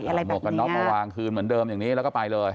หมวกกันน็อกมาวางคืนเหมือนเดิมอย่างนี้แล้วก็ไปเลย